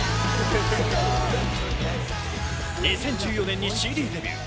２０１４年にＣＤデビュー。